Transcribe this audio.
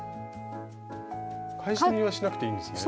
返し縫いはしなくていいんですね？